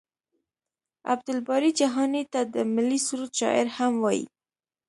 عبدالباري جهاني ته د ملي سرود شاعر هم وايي.